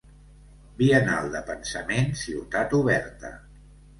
Biennal de pensament Ciutat Oberta.